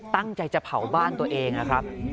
ตั้งใจจะเผาบ้านตัวเองนะครับ